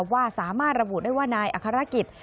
ว่าสามารถระบุได้ว่านายอัครกิจ